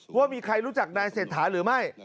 ว่ามีใครรู้จักนายเศรษฐาหรือไม่